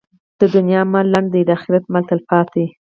د دنیا مال لنډ دی، د اخرت مال تلپاتې.